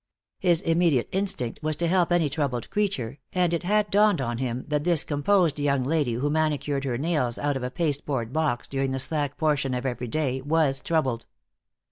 His immediate instinct was to help any troubled creature, and it had dawned on him that this composed young lady who manicured her nails out of a pasteboard box during the slack portion of every day was troubled.